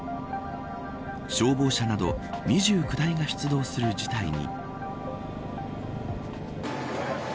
消防車など２９台が出動する事態に。